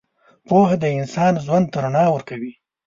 پوهه د انسان ژوند ته رڼا ورکوي.